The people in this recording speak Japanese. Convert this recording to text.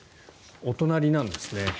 お隣なんですね。